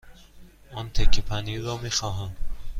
آن تکه پنیر را می خواهم.